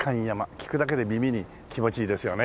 聞くだけで耳に気持ちいいですよね。